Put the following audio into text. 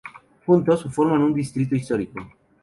Juntos, forman un distrito histórico.